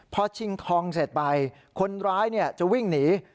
พอชิงทองเสร็จไปคนร้ายจะวิ่งหนี